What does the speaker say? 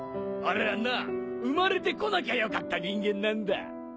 あれはな生まれてこなきゃよかった人間なんだ